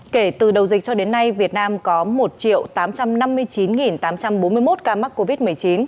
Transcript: kể từ đầu dịch cho đến nay việt nam có một tám trăm năm mươi chín tám trăm bốn mươi một ca mắc covid một mươi chín